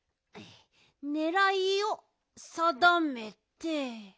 ねらいをさだめて。